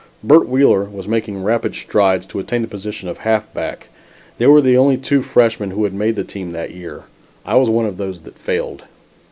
Bert Wheeler was making rapid strides to attain the position of halfback. They were the only two freshmen who made the team that year. I was one of those that failed.